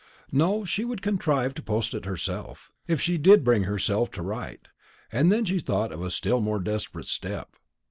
No, she would contrive to post it herself, if she did bring herself to write. And then she thought of a still more desperate step.